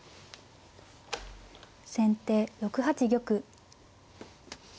先手６八玉。